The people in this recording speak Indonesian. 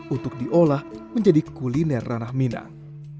untuk diolah menjadi kuliner ranah minang